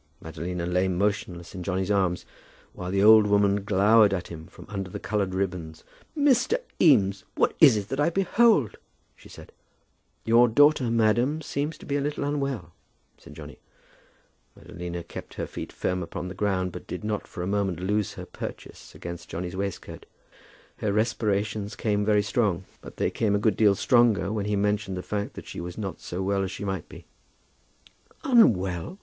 Madalina lay motionless in Johnny's arms, while the old woman glowered at him from under the coloured ribbons. "Mr. Eames, what is it that I behold?" she said. [Illustration: "What is it that I behold?"] "Your daughter, madam, seems to be a little unwell," said Johnny. Madalina kept her feet firm upon the ground, but did not for a moment lose her purchase against Johnny's waistcoat. Her respirations came very strong, but they came a good deal stronger when he mentioned the fact that she was not so well as she might be. "Unwell!"